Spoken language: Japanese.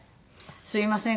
すいません